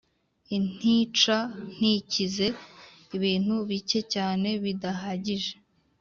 intica ntikize: ibintu bike cyane, bidahagije